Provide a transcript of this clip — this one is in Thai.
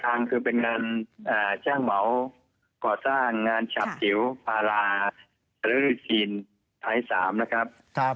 ทางคือเป็นงานจ้างเหมาก่อสร้างงานฉับจิ๋วพาราหรือทีนไทย๓นะครับ